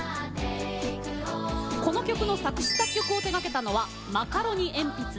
この曲の作詞・作曲を手がけたのはマカロニえんぴつ。